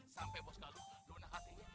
sampai bos kaluh lu enak hatinya